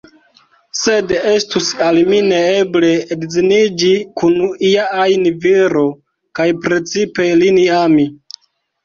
Sed estus al mi neeble edziniĝi kun ia ajn viro, kaj precipe lin ami.